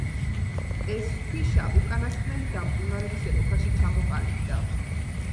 ეს ქვიშა უკანასკნელი გამყინვარების ეპოქაში ჩამოყალიბდა.